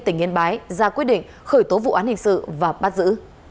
tỉnh yên bái ra quyết định khởi tố vụ án hình sự và bắt giữ